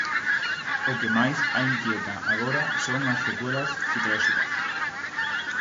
O que máis a inquieta agora son as secuelas psicolóxicas.